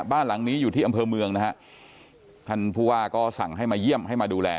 บ้านหลังนี้อยู่ที่อำเภอเมืองนะฮะท่านผู้ว่าก็สั่งให้มาเยี่ยมให้มาดูแล